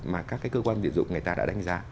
mà các cái cơ quan dịch dụng người ta đã đánh giá